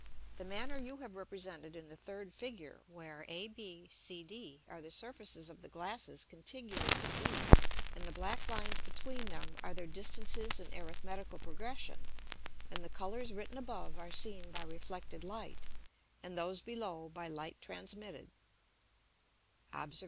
The manner you have represented in the third Figure, where AB, CD, are the Surfaces of the Glasses contiguous at E, and the black Lines between them are their Distances in arithmetical Progression, and the Colours written above are seen by reflected Light, and those below by Light transmitted (p. 209).